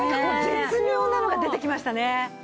絶妙なのが出てきましたね。